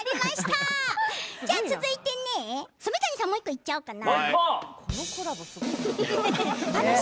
続いて染谷さん、もう１個いっちゃおうかな。